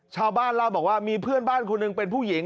ชาวบ้านเล่าบอกว่ามีเพื่อนบ้านคนหนึ่งเป็นผู้หญิง